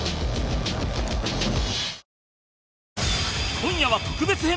今夜は特別編